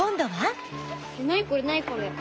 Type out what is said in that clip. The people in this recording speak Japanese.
何これ何これ。